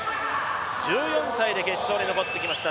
１４歳で決勝に残ってきました。